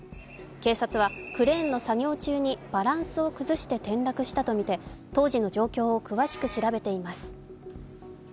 警察はクレーンの作業中にバランスを崩して転落したとみて当時の状況を詳しく調べています。